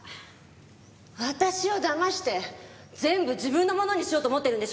私を騙して全部自分のものにしようと思ってるんでしょ！